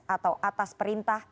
atau atas perintah